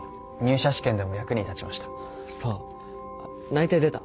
内定出た？